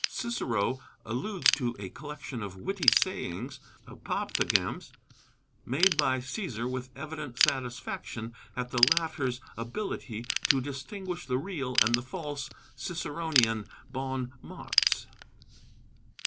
Cicero alludes to a collection of witty sayings (Apophthegms) made by Cæsar, with evident satisfaction at the latter's ability to distinguish the real and the false Ciceronian bons mots.